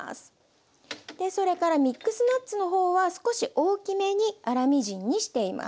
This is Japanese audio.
それからミックスナッツの方は少し大きめに粗みじんにしています。